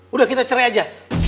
udah kita cerai aja